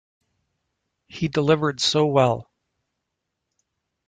He delivered so well.